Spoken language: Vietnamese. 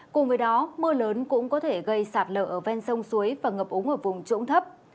cùng với đó mưa lớn cũng có thể gây sạt lở ở ven sông suối và ngập úng ở vùng trũng thấp